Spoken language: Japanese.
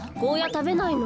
たべないの？